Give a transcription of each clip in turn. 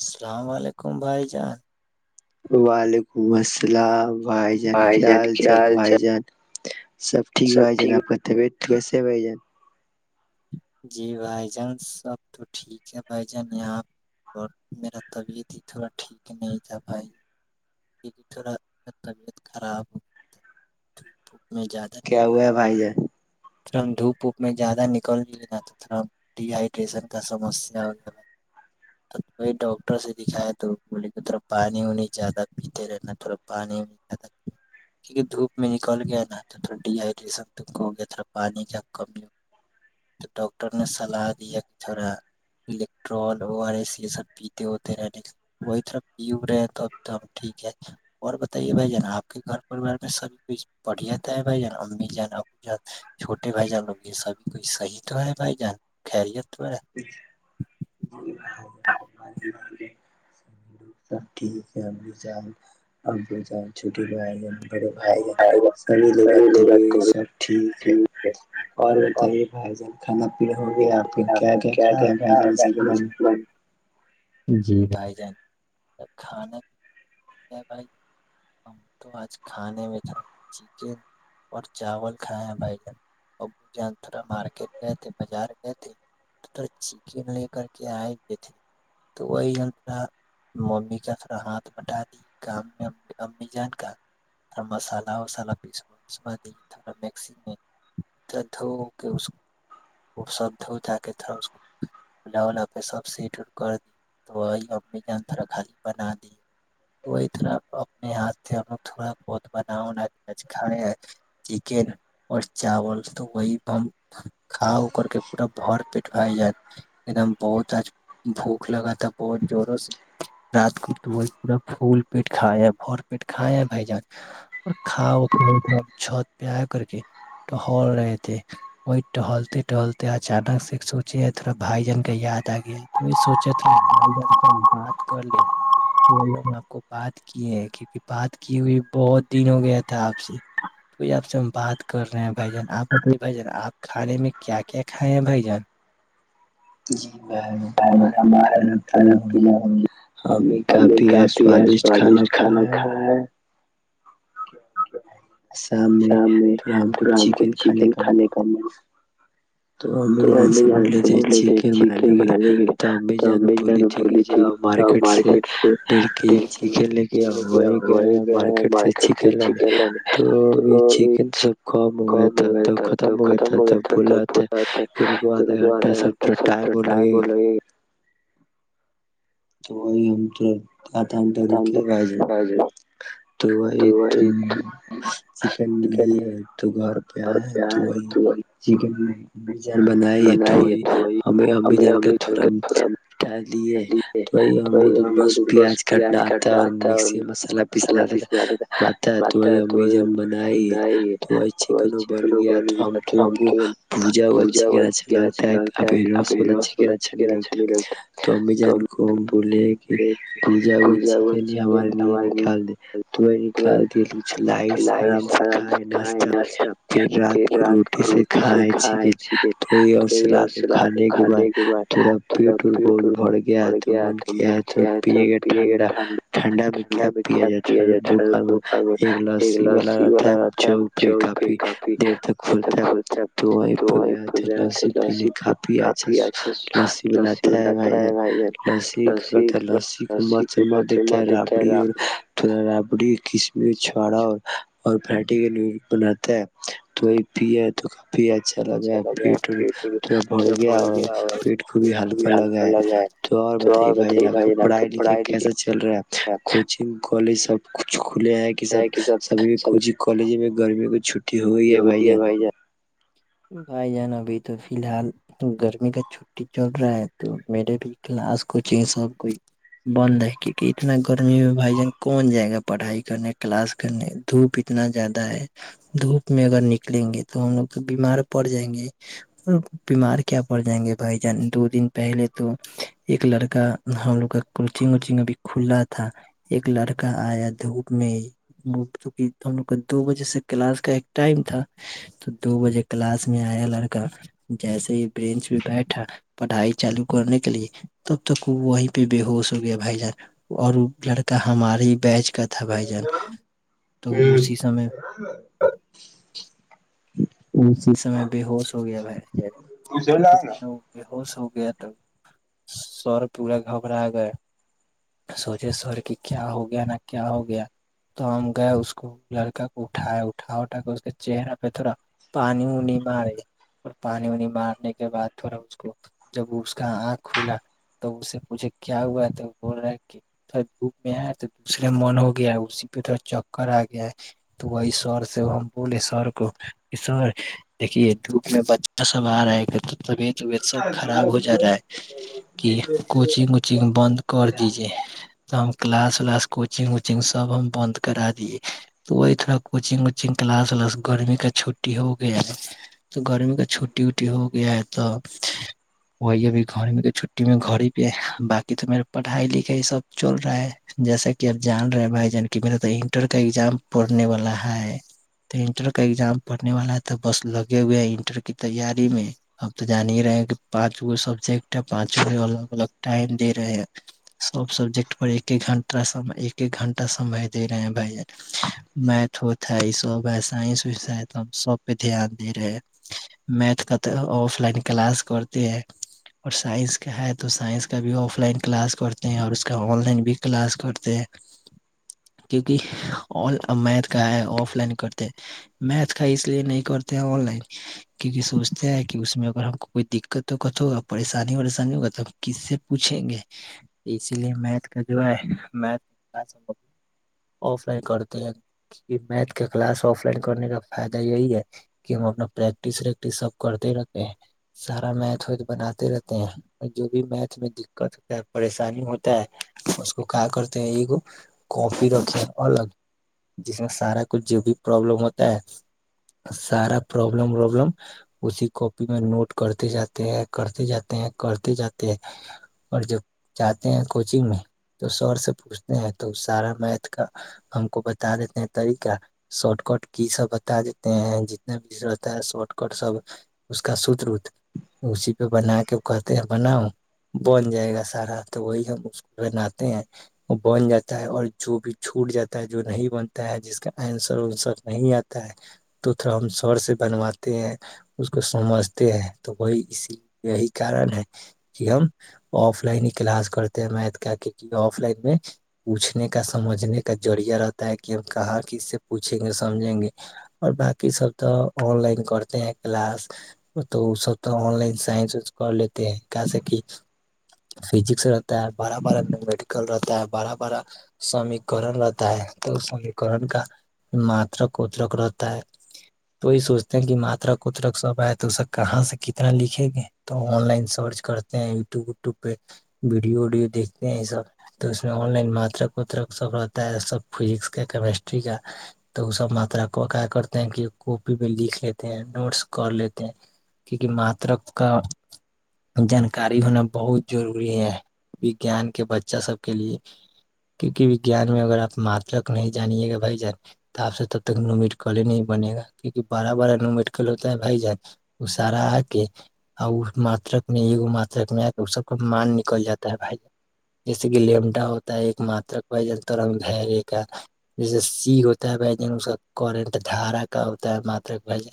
السلام علیکم بھائی جان وعلیکم السلام بھائی جان خیال چل بھائی جان سب ٹھ با جائے ہے ن آپ کا طبیعت کیسے ب ج جی بھائی جان سب تو ٹھیک ہے بھائی جان یہاں اور میرا طبیعت ہی تھوڑا ٹھیک نہیں تھا بھائی یہ تھوڑا طبیعت خراب ہو میں جیادہ نہیں تھ ہم دھوپ ووپ میں زیادہ نکل لیے نا تو تھوڑا ڈییہائیڈریشن کا سمسیا ہو گیا ڈاکٹر سے دکھایا تو بولے کو تھرا پانی ہو نہیں جیادا پیتے رہنا تھوڑا پانی زیادہ کیونکہ دھوپ میں نکل گیا نا تو تھوڑا ڈیہائیڈریشن ہو گیا تھڑا پانی کا کمی ہو تو ڈاکٹر نے سلاح دیا کہ تھوڑا الیکٹرول او آر ای س یہ سب پیتے ہوتے رہنے کا وہی تھوڑا پیو رہے ہیں تو اب تو ہم ٹھیک ہے اور بتائیے بھائی جان آپ کے گھر پرریوار میں سبھی کئی بڑھیات ہے بھائی جان امی جان ابو جان چھوٹے بھائی جان لوگ یہ سبھی کوئی صحیح تو ہے بھائی جان خریت چ ب ا سب ٹھیک ہے ا بھی جاؤ اب بھی جاؤ چھٹی میں بڑے بھائی جن سبھی لے باتتے ہو سب ٹھیک ہے اور بتائیے بھائی جان کانا پیینا ہوگیا آپ آپ کو کیا کیا کھ جی بھائی جان کھانا بھائی ہم تو آج کھانے میں تھ چکن اور چاول کھائے ہیں بھائی جان اب جان تھڑا مارکیٹ گئے تھے بازار چکن لے کر کے آئے ہوئے تھے تو وہی تھرا ممی کا تھڑا ہاتھ بٹا دی کام میں امی جان کا تھڑا مسالہ وسالہ پسواسوا دی تھوڑا مکسی میں تھڑا دھو کے اس وہ سب لا پہ سبٹ کر دی تو وہیمی ہم تھا خالی بنا دی وہی طرح اپنے ہاتھ سے ہم لوگ تھڑا بہت بنانا د کھائے چکن اور چاول تو وہی ہم کھا ا کر کے پورا بھر پیٹ بھائی جان ایک دم بہت آج بھوک لگا تھا بہت زوروں سے رات کو تو وہ پورا پھول پیٹ کھایا بھر پیٹ کھایا بھائی جان اور کھاؤ چھت پہ آ کر کے ٹہل رہے تھے وہی ٹہلتے ٹہلتے اچانک سے سوچے ہیں تھوڑا بھائی جن کا یاد آ گیا ہے تو وہی سوچے تھا بھائی جان سے ہم بات کر لیں وہی ہم آپ کو بات کیے ہیں کیکہ بات کی ہوئی بہت دن ہو گیا تھا آپ سے تو وہی آپ سے ہم بات کر رہے ہیں بھائی جان آپ بتائیے بھائی جان آپ کھانے میں کیا کیا کائے بھ جان جی ب ہمارا بھی کھانا پینا ہو ہم بھی کافی سوادشٹ کھانا کھا ہے شام میں تو رام کو چکن کھانے کا من تو امی جان سے بول رہے تھے چکن بنانے کےے تو امی جان بولی تھی کہ جاؤ مارکیٹ سے ڈھ کے جی چکن لے کے آؤ وہی گیا مارکیٹ سے چکن لے تو گبھی چکن سب کم ہو گیا تھا توب ختم ہو گیا تھا تب بولا رک آدھا گھنٹہ سبا ٹائم وہ لگے گا تو وہی ہم تو آدھا گنٹہ رکے ب جائے تو وہ چکن ل تو گھر پہ آئے ہے تو وہی جی اب جان بنائی تھڑی ہمیں اب جان کے تھوڑا بٹا لیے وہی ہم تو بس پیاز کاٹنا آتا اور مکسی میں مسالہ پیسنا آتا تھا م تو وہی من بنائی تو وہی چکن بن گیا تو ہم تو بھجا ہوا چکن اچھا لگتا ہے ابھی رس والا چکن اچھا نہیں لگتا ہے تو جان کو بلی ا وہی لیے ہمارے لیے نکال د تیں نکال د آرام سے کھائے ناشہ پھر رات کو روٹی سے کھائے چکن تو اور سلاد کھانے کے بعد تھورا پیٹ و بہت بھر گیا تو من کیا ہے پی گا ٹھنڈا ٹھنڈا میں کیا پیا جائے دکان میں ایک لسی والا رہتا ہے چ پہ کافی دیر تک کھولتا ہے تو وہ پہ گ لسی پینے کافی اچھا لسیسی بناتے ہے بھائی جان لسی کیا کرتے لسی کے مت سے مت دیتے ہے ربڑی اور تھوڑا ربڑی کسم چڑا اور پٹی ل بناتا ہے تو پ تو بھی اچھا لگا ہے پیٹ تھڑا بڑ گیا اور پیٹ کو بھی ہلکا لگا ہے تو اور بتائیے بھائی جان آپ کا پڑھائی لکھائی کیسا چل رہا ہے کوچنگ کالج سب کچ کھلے ہیں کہ سب سبھی کوچنگ کالج میں گمی کو چھٹی ہوئی ہے بھائی جان بھائی جان ابھی تو فی الحال گرمی کا چھٹی چل رہا ہے تو میرے بھی کلاس کوچنگ سب کوئی بند ہے کیونکہ اتنا گرمی میں بھائی جان کون جائے گا پڑھائی کرنے کلاس کرنے دھوپ اتنا زیادہ ہے دھوپ میں اگر نکلیں گے تو ہم لوگ تو بیمار پڑ جائیں گے اور بیمار کیا پڑ جائیں گے بھائی جان دو دن پہلے تو ایک لڑکا ہم لوگ کا کوچنگ وچنگ ابھی کھلا تھا ایک لڑکا آیا دھوپ میں دک ہم لوگ کا دو بجے سے کلاس کا ایک ٹائم تھا تو دو بجے کلاس میں آیا لڑکا جیسے ہی بینچ پ بیٹھا پڑھائی چالو کرنے کے لیے تب تک وہ وہیں پہ بے ہوش ہو گیا بھائی جان اور وہ لڑکا ہمارے ہی بیچ کر تھا بھائی جان تو اسی سے ا اسی سمے بے ہوش ہو گیا بھائی ب ہووش ہو گیا تو سر پورا گھبرا گئے سوچے سر کہ کیا ہو گیا نہ کیا ہو گیا تو ہم گئے اس کو لڑکا کو اٹھایا اٹھا اٹھا کے اس کے چہرہ پہ تھوڑا پانی وانی مارے اور پانی وانی مارنے کے بعد تھوڑا اس کو جب اس کا آنکھ کھلا تو اس سے پوچے کیا ہوا ہے تو بول رہا ہے کہ تھوڑا دھوپ میں آئے تو دوسرے من ہو گیا ہے اسی پہ تھوڑا چکر آ گیا ہے تو وہی سر سے ہم بولے سر کو اس دیکھیے دھوپ میں بچہ سب آ رہا ہے کہبت طبیعت سب خراب ہو جا رہا ہے کہ کوچنگ وچنگ بند کر دیجیے تو ہم کلاس ولاس کوچنگ وچنگ سب ہم بند کرا دیے تو وہی تھوڑا کوچنگ وچنگ کلاس ولاس گرمی کا چٹی چٹی ہو گیاب تو گرمی کا چھٹی ووٹی ہو گیا ہے تو وہی اب گھر میں چھٹی میں گڑ ہی پہ ہے باقی تو میرا پڑھائی لکھائی سب چل رہا ہے جیسا کہ آپ جان رہے بھائی جان کی میرا تو انٹر کا ایگزام پڑنے والا ہے تو انٹر کا ایگزام پڑھنے والا ہے تو بس لگے ہوئے ہیں انٹر کی تیاری میں اب تو جان ہی رہے ہیں کہ پانچ گو سبجیکٹ ہے پانچ میں الگ الگ ٹائم دے رہے ہیں سب سبجیکٹ پر ایک ایک گھنٹہ ایک ایک گھنٹہ سمئے دے رہے ہیں بھائی ج میتھ ہوتا ہے یہ سب ہے سائنس سب پہ د دے رہے ہیں میتھ کا تو آف لائن کلاس کرتے ہیں اور سائنس کا ہے تو سائنس کا بھی آف لائن کلاس کرتے ہیں اور اس کا آن لائن بھی کلاس کرتے ہیں کیوںکہ میتھ کا ہے آف لائن کرتے ہیں میتھ اس لیے نہیں کرتے ہیں آن لائن کیونکہ سوچتے ہیں کہ اس میں اگر ہم کو کوئی دقت وت ہوگا پریشانی وریشانی ہوگا تو ہم کس سے پوچھیں گے اسی لیے میتھ کا جو ہے میتھ کس آف لائن کرتے ہیں میتھ کا کلاس آف لائن کرنے کا فائدہ یہی ہے کہ ہم اپنا پریکٹس ریکٹس سب کرتے رہتے ہیں سارا میتھ ہو تو بناتے رہتے ہیں جو بھی میتھ میں دقت ہوتا ہے پریشانی ہوتا ہے اس کو کیا کرتے ہیں ایک کاپی رکھتے ہیں الگ جس میں سارا کچھ جو بھی پرابلم ہوتا ہے سارا پرابلم وابلم اسی کاپی میں نوٹ کرتے جاتے ہیں کرتے جاتے ہیں کرتے جاتے ہیں اور جب جاتے ہیں کوچنگ میں تو سر سے پوچھتے ہیں تو سارا میتھ کا ہم کو بتا دیتے ہیں طریقہ شارٹ کٹ کی ساب بتا دیتے ہیں جتنا بھی رہتا ہے شارٹ کٹ سب اس کا ست رت اسی پہ بنا کے کہتے ہیں بناؤ بن جائے گا سارا تو وہی ہم اس بناتے ہیں وہ بن جاتا ہے اور جو بھی چھوٹ جاتا ہے جو نہیں بنتا ہے جس کا آنسر ونسر نہیں آتا تو تھوڑا ہم سر سے بنواتے ہیں اس کو سمجھتے ہیں تو وہی اسی یہی کارن ہے کہ ہم آف لائن ہی کلاس کرتے ہیں میتھ کا کیونکہ آف لائن میں پوچھنے کا سمجھنے کا ذریعہ رہتا ہے کہ ہم کہاں کس سے پوچھیں گے سمجھیں گے اور باقی سب تو آن لائن کرتے ہیں کلاس تو وہ سب تو آن لائن سائنس کر لیتے ہیں جسے کہ فزکس رہتا ہے بڑا بڑا میڈیکل رہتا ہے بڑا بڑا سیکرن رہتا ہے تو سیکرن کا مر کوترک رہتا ہے توی سوچتے ہیں کہ ماترا کوترک سب ہے تو سب کہاں سے کتنا لکھے گے تو آن لائن سرچ کرتے ہیں یٹیوب وٹیوب پہ ویڈیو وڈیو دیکھتے ہیں یہ سب تو اس میں آن لائن ماترا کوترک سب رہتا ہے سب فزکس کا کیمسٹری کا تو وہ سب کرتے ہیں کہ کاپی پہ لکھ لیتے ہیں نوٹس کر لیتے ہیں کیونکہ ماترک کا جانکاری ہونا بہت ضروری ہے وجیان کے بچہ سب کے لیے کیونکہ وجان میں اگر آپ ماترک نہیں جانیے گا بھائی جان تو آپ سے تو ک نٹ کل ہی نہیں بنے گا کیونکہ بڑا بڑا نومیٹ کل ہوتا ہے بھائی جان وہ سارا آ کے اور اس ماترک میں ایکگ ماترک میں آ کے اس سب کا مان نکل جاتا ہے بھائی ج جیسے کہ لیمٹا ہوتا ہے ایک ماترک بھائی ج تر گے کا جیسے سی ہوتا ہے بھائی جان اس کا کرنٹ دھارا کا ہوتا ہے ماترک بھ ج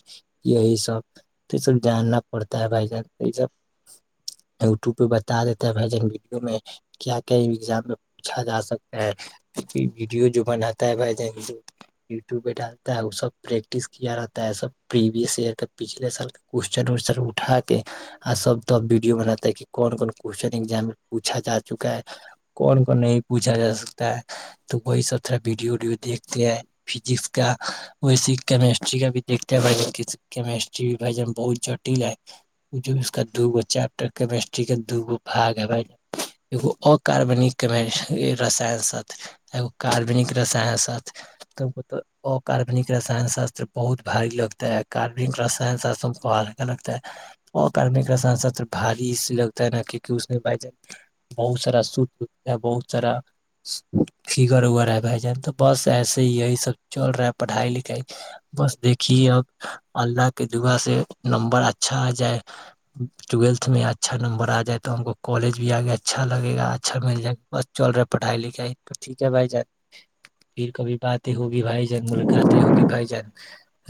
یہی سب تو یہ سب جاننا پڑتا ہے بھائی جان یہ سب یوٹیوب پہ بتا دیتا ہے بھائی جان ویڈیو میں کیا کیا ایزام میں پوچھا جا سکتا ہے ویڈیو جو بناتا ہے بھائی ج ڈالتا ہے وہ سب پریکٹس کیا رہتا ہے سب پرویس ایئر کا پچھلے سال کا کوشچن وین اٹھا کے سب تب ویڈیو بناتا ہے کہ کون کون کویشچن ایگزام پوھا جا چکا ہے کون کون نہیں پوچھا جا سکتا ہے تو وہی سب طرح ویڈیو وڈیو دیکھتے ہیں فزکس کا ویسی کیمسٹری کا بھی دھتے ہیں بھ کیمسٹری بھی بھائی ج بہت جٹل ہے جو اس کا دو گ چیپٹر کیمسٹری کا دو گو باگ ہے بھائی ج اکاربنک رسائنت کاربنک رسانست کو تو اکاربنک رسان شاستر بہت باری لگتا ہے کاربنک رسان شاستر کو ہلکا لگتا ہے اکاربنک رسائن شاستر باری س لگتا ہے نا کیونکہ اس میں بھائی جان بہت سارا س ہے بہت سارا فگر وگر ہے بھائی جان تو بس ایسے یہی سب چل رہا ہے پڑھائی لکھائی بس دیکھیے اب اللہ کے دعا سے نمبر اچھا آ جائے ٹویلتھ میں اچھا نمبر آ جائے تو ہم کو کالج بھی آگے اچھا لگے گا اچھا مل جائے گا بس چل رہا ہے پڑھائی لکھائی تو ٹھیک ہے آ جائے پھر کبھی کااتی ہ بھائی جن ملکاتی ہوگی بھائی ج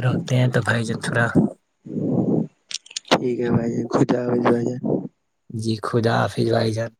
روکھتے ہیں تو بھائی جان تھوڑا ٹھیک ہے بھائی ج گودا آ بھ جی خدا حافظ بھائی جان